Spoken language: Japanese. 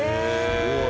すごい。